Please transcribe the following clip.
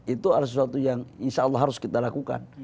itu adalah sesuatu yang insya allah harus kita lakukan